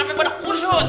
api pada kursut